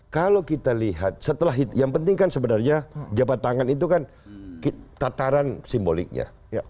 kalau kita lihat setelah yang penting kan sebenarnya jabat tangan itu kan tataran simboliknya